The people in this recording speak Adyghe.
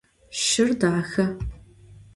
Şşır daxe.